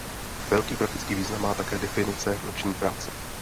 Velký praktický význam má také definice noční práce.